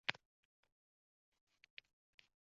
Farzandlarim yuragida